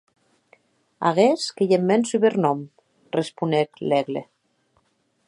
Aguest qu’ei eth mèn subernòm, responec Laigle.